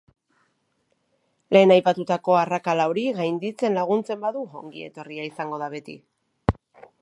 Lehen aipatutako arrakala hori gainditzen laguntzen badu, ongietorria izango da beti.